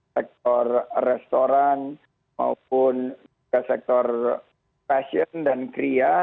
sektor restoran maupun sektor fashion dan kriya